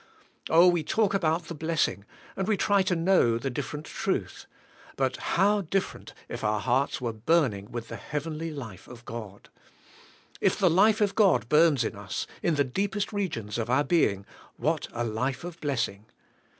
Oh ! we talk about the bless ing, and try to know the different truth. But how different, if our hearts were burning with the heav enly life of God. If the life of God burns in us, in the deepest regions of our being, what a life of blessing.